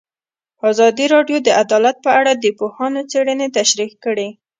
ازادي راډیو د عدالت په اړه د پوهانو څېړنې تشریح کړې.